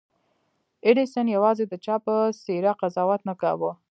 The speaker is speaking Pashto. ايډېسن يوازې د چا په څېره قضاوت نه کاوه.